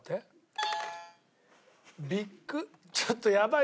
ビッグちょっとやばい。